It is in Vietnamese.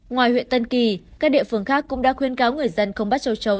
ngoài huyện tân kỳ các địa phương khác cũng đã khuyên cáo người dân không bắt châu chấu